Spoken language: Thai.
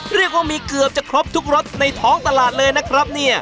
เรียกว่ามีเกือบจะครบทุกรสในท้องตลาดเลยนะครับเนี่ย